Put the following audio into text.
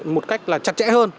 một cách chặt chẽ hơn